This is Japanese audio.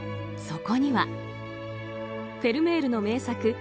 そこにはフェルメールの名作